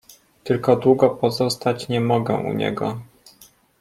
Tylko długo pozostać nie mogę u niego.